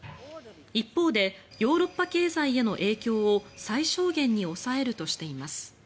一方でヨーロッパ経済への影響を最小限に抑えるとしています。